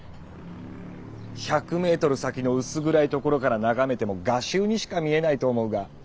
１００メートル先の薄暗い所から眺めても画集にしか見えないと思うが。